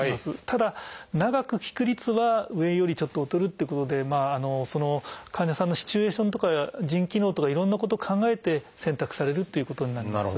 ただ長く効く率は上よりちょっと劣るっていうことで患者さんのシチュエーションとか腎機能とかいろんなこと考えて選択されるということになります。